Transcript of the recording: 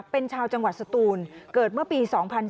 เป็นชาวจังหวัดสตูนเกิดเมื่อปี๒๔